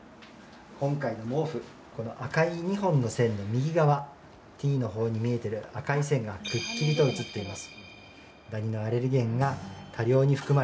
今回の毛布Ｔのほうに見えている赤い線がくっきりと映っています。